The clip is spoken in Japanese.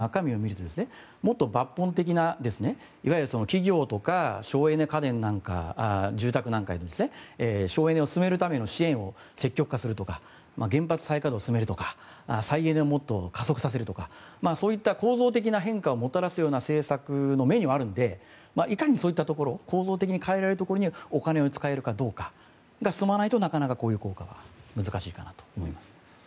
実は、あまりメディアは報道してないんですが経済対策の中身を見るともっと抜本的ないわゆる企業とか省エネ家電なんか、住宅への省エネを進めるための支援を積極化するとか原発再稼働を進めるとか再エネを加速させるとかそういった構造的な変化をもたらすような政策のメニューはあるのでいかにそういったところ構造的に変えられるところにお金を使えるかどうかが進まないとなかなかこういう効果が難しいかと思います。